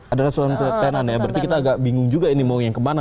adalah suatu tenan ya berarti kita agak bingung juga ini mau yang kemana